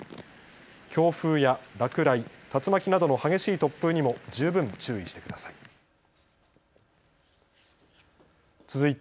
強風や落雷、竜巻などの激しい突風にも十分注意してください。